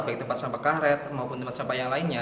baik tempat sampah karet maupun tempat sampah yang lainnya